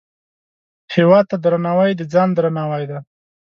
هیواد ته درناوی، د ځان درناوی دی